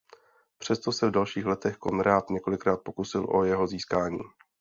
Přesto se v dalších letech Konrád několikrát pokusil o jeho získání.